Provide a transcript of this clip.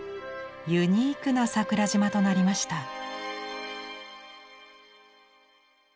ユニークな桜島となりました。